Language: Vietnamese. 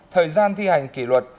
thời gian thi hành kỷ luật